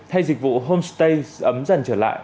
hay dịch vụ homestay ấm dần trở lại